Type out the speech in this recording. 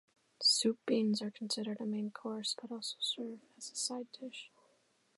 Soup beans are considered a main course, but also serve as a side dish.